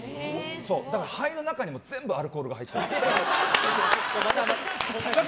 だから肺の中にも全部アルコールが入ってる。